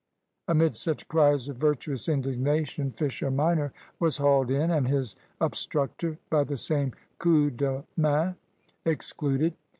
Amid such cries of virtuous indignation, Fisher minor was hauled in, and his obstructor, by the same coup de main, excluded.